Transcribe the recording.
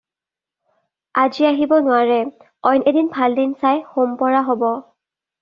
আজি আহিব নোৱাৰে, অইন এদিন ভাল দিন চাই হোম পোৰা হ'ব।